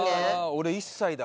俺１歳だ。